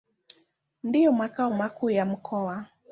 Ndio makao makuu ya mkoa.